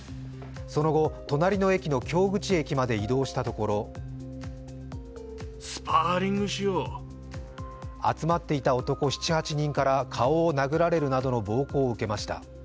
その後、隣の駅の京口駅まで移動したところ集まっていた男７８人から、顔を殴られるなどの暴行を受けました。